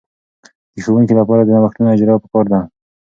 د ښوونکې لپاره د نوښتونو اجراء په کار ده.